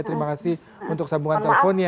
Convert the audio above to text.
terima kasih untuk sambungan teleponnya